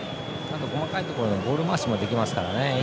細かいところでボール回しもできますからね。